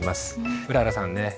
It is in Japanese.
うららさんね